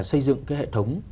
xây dựng cái hệ thống